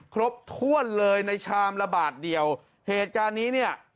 ครบถ้วนเลยในชามละบาทเดียวเหตุการณ์นี้เนี่ย